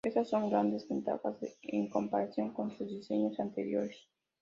Estas son grandes ventajas en comparación con los diseños anteriores".